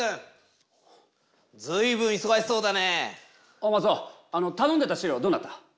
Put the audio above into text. おうマツオたのんでた資料どうなった？